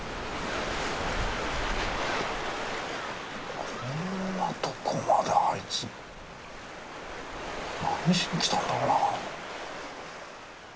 こんなとこまであいつ何しに来たんだろうな。